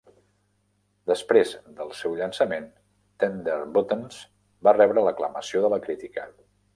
Després del seu llançament, 'Tender Buttons' va rebre l'aclamació de la crítica.